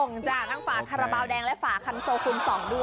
ขอแสดงความยินดีกับผู้ที่โชคดีได้รับมอเตอร์ไซค์ตั้งวันนี้ด้วยนะครับ